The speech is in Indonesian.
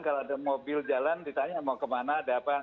kalau ada mobil jalan ditanya mau kemana ada apa